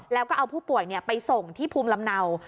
แล้วก็เอาผู้ป่วยไปส่งที่ภูมิลำเนา